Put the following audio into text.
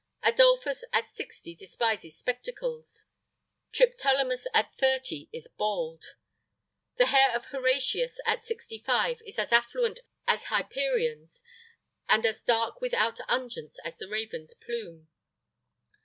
Adolphus at sixty despises spectacles. Triptolemus at thirty is bald. The hair of Horatius at sixty five is as affluent as Hyperion's, and as dark without unguents as the raven's plume.